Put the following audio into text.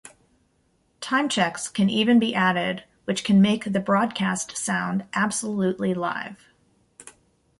Time checks can even be added which can make the broadcast sound absolutely live.